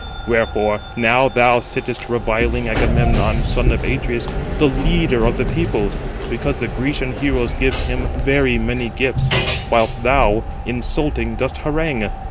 Wherefore, now thou sittest reviling Agamemnon, son of Atreus, the leader of the people, because the Grecian heroes give him very many gifts, whilst thou, insulting, dost harangue.